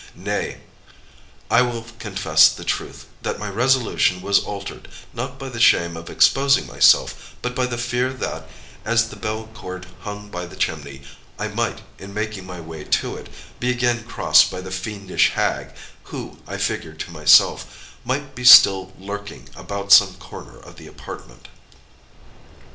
Nay, I will confess the truth, that my resolution was altered, not by the shame of exposing myself, but by the fear that, as the bell cord hung by the chimney, I might, in making my way to it, be again crossed by the fiendish hag, who, I figured to myself, might be still lurking about some corner of the apartment.